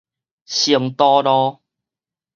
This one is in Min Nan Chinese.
成都路